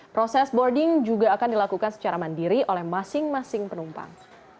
proses boarding juga akan dilakukan secara mandiri oleh masing masing penumpang